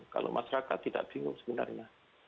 kalau masyarakat tidak bingung sebenarnya